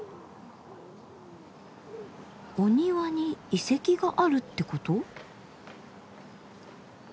お庭に遺跡があるってこと？